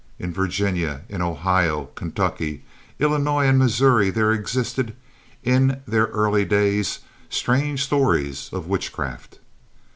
In Virginia, in Ohio, Kentucky, Illinois and Missouri there existed, in their early days, strange stories of witchcraft.